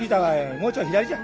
もうちょい左じゃ。